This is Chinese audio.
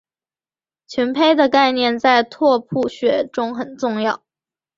群胚的概念在拓扑学中很重要。